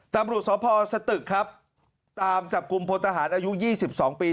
ตำรุสอพศตึกครับตามจับกลุ่มพลทหารอายุยี่สิบสองปี